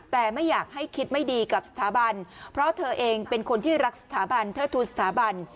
แต่ไม่อยากให้คิดไม่ดีกับสถาบันเพราะเธอเองเป็นคนที่รักสถาบันเทิดทูลสถาบัน